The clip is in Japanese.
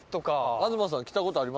東さん来たことありますか？